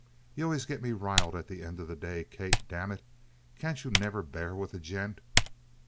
"You always get me riled at the end of the day, Kate. Damn it! Can't you never bear with a gent?"